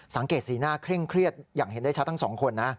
สังเกตสีหน้าเคร่งเครียดอย่างเห็นได้ชัดทั้งสองคนนะ